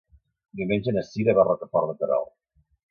Diumenge na Sira va a Rocafort de Queralt.